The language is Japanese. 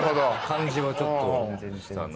感じはちょっとしたな。